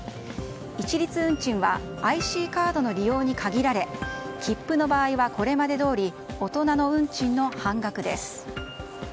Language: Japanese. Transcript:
一律運賃はＩＣカードの利用に限られ切符の場合はこれまで通り大人の運賃の半額です。